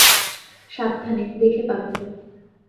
সাবধানে - দেখে পা ফেল।